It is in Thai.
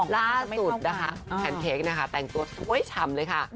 ล่าสุดนะคะแพนเค้กนะคะแต่งตัวสวยฉ่ำเลยค่ะ